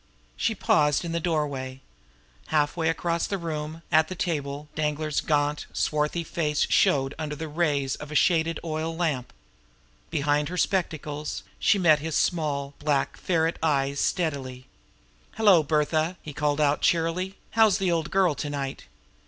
She paused in the doorway. Halfway across the room, at the table, Danglar's gaunt, swarthy face showed under the rays of a shaded oil lamp. Behind her spectacles, she met his small, black ferret eyes steadily. "Hello, Bertha!" he called out cheerily. "How's the old girl to night?"